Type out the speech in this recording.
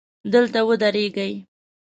دلته ودرېږئ